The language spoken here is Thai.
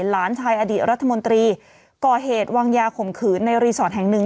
หลานชายอดีตรัฐมนตรีก่อเหตุวางยาข่มขืนในรีสอร์ทแห่งหนึ่ง